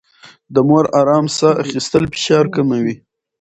د مور ارام ساه اخيستل فشار کموي.